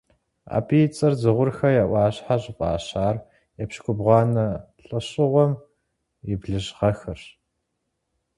Абы и цӏэр Дзыгъурхэ я ӏуащхьэ щыфӏащар епщыкӏубгъуанэ лӏэщӏыгъуэм и блыщӏ гъэхэрщ.